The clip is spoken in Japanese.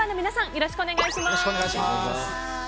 よろしくお願いします。